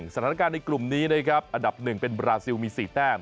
ในกลุ่มนี้นะครับอันดับ๑เป็นบราซิลมี๔แต้ม